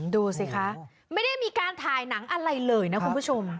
ดูสิคะไม่ได้มีการถ่ายหนังอะไรเลยนะคุณผู้ชม